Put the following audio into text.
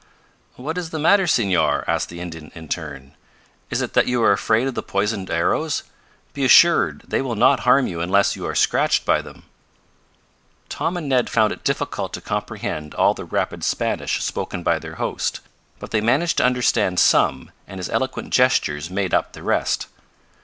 "What is the matter, Senor?" asked the Indian in turn. "Is it that you are afraid of the poisoned arrows? Be assured they will not harm you unless you are scratched by them." Tom and Ned found it difficult to comprehend all the rapid Spanish spoken by their host, but they managed to understand some, and his eloquent gestures made up the rest.